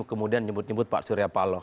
kemudian nyebut nyebut pak suryapalo